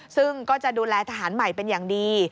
ซึ่งก็จะดูแลทหารใหม่เป็นอย่างดี